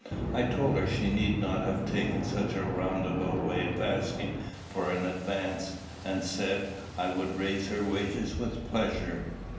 "I told her she need not have taken such a round about way of asking for an advance, and said I would raise her wages with pleasure.